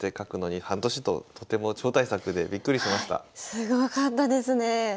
すごかったですね。